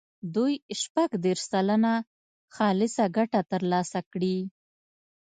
دوی شپږ دېرش سلنه خالصه ګټه ترلاسه کړي.